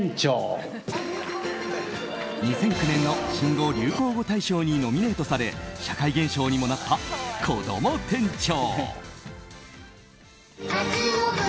２００９年の新語・流行語大賞にノミネートされ社会現象にもなったこども店長。